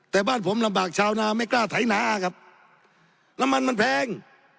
แต่บ้านผมลำบากชาวนาไม่กล้าไถนาครับน้ำมันมันแพง